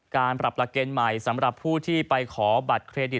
การปรับหลักเกณฑ์ใหม่สำหรับผู้ที่ไปขอบัตรเครดิต